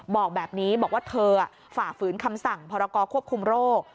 บอกแบบนี้บอกว่าเธอฝ่าฝืนคำสั่งพรกรควบคุมโรค